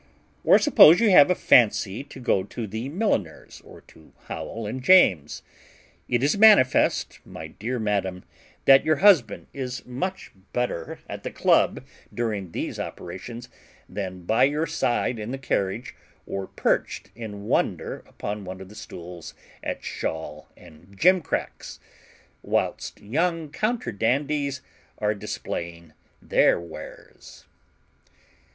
Or suppose you have a fancy to go to the milliner's, or to Howell and James's, it is manifest, my dear Madam, that your husband is much better at the Club during these operations than by your side in the carriage, or perched in wonder upon one of the stools at Shawl and Gimcrack's, whilst young counter dandies are displaying their wares.